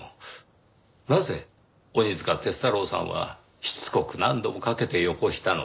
なぜ鬼束鐵太郎さんはしつこく何度も掛けてよこしたのか？